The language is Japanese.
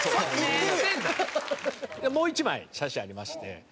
もう１枚写真ありまして。